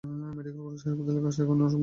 Medical college হাসপাতালের কাজ এখনো অসম্পূর্ণ।